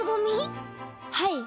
はい。